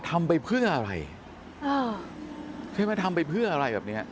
ทำไปเพื่ออะไรอ่าใช่ไหมทำไปเพื่ออะไรแบบเนี้ย